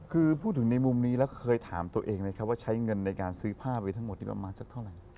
คือพูดถึงในมุมนี้แล้วเคยถามตัวเองไหมครับว่าใช้เงินในการซื้อผ้าไว้ทั้งหมดประมาณสักเท่าไหร่